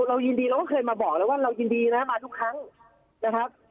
เรายินดีเราก็เคยมาบอกแล้วว่าเรายินดีนะมาทุกครั้งนะครับ